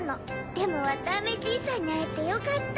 でもわたあめじいさんにあえてよかった。